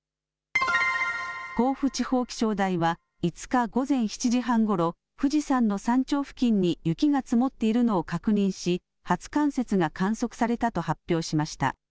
甲府地方気象台は５日午前７時半ごろ、富士山の山頂付近に雪が積もっているのを確認し初冠雪が観測されたと発表しました。